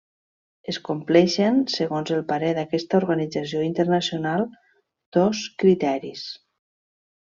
Es compleixen, segons el parer d'aquesta organització internacional, dos criteris.